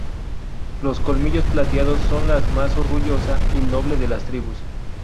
Los Colmillos Plateados son la más orgullosa y noble de las tribus.